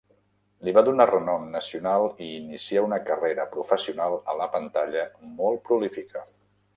Li va donar renom nacional i inicià una carrera professional a la pantalla molt prolífica.